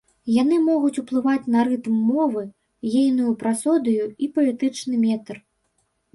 Яны могуць уплываць на рытм мовы, ейную прасодыю і паэтычны метр.